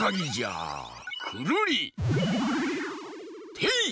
てい！